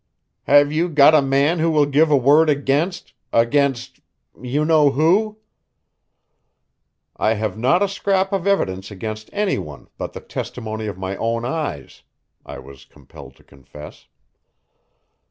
"Have you got a man who will give a word against against you know who?" "I have not a scrap of evidence against any one but the testimony of my own eyes," I was compelled to confess.